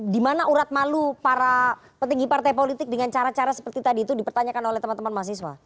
di mana urat malu para petinggi partai politik dengan cara cara seperti tadi itu dipertanyakan oleh teman teman mahasiswa